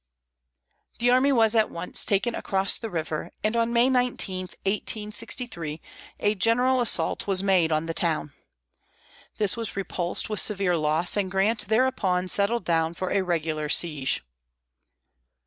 The army was at once taken across the river and on May 19, 1863, a general assault was made on the town. This was repulsed with severe loss, and Grant thereupon settled down for a regular siege.